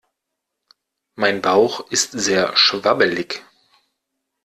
Mein Bauch ist sehr schwabbelig.